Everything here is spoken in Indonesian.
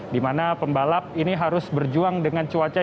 di mana pembalap ini harus berjuang dengan cuaca